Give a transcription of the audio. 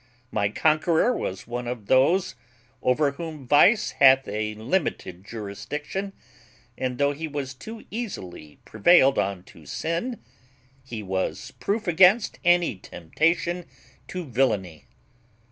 My conqueror was one of those over whom vice hath a limited jurisdiction; and, though he was too easily prevailed on to sin, he was proof against any temptation to villany.